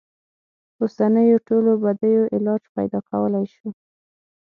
اوسنیو ټولو بدیو علاج پیدا کولای شو.